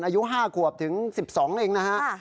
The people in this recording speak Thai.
อายุ๕ขวบถึง๑๒เองนะฮะ